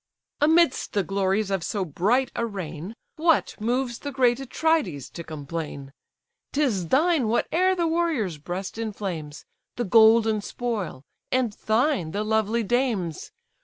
"Amidst the glories of so bright a reign, What moves the great Atrides to complain? 'Tis thine whate'er the warrior's breast inflames, The golden spoil, and thine the lovely dames.